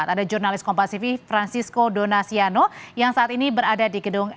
ada jurnalis kompasifi francisco donasiano yang saat ini berada di gedung